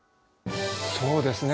そうですね